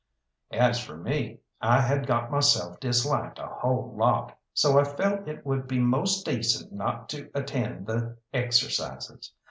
As for me, I had got myself disliked a whole lot, so I felt it would be most decent not to attend the exercises.